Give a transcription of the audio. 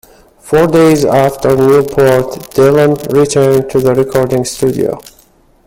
Four days after Newport, Dylan returned to the recording studio.